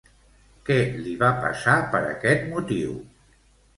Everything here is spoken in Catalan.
Què li va passar per aquest motiu?